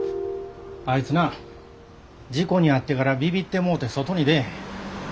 あいつな事故に遭ってからビビってもうて外に出ぇへん。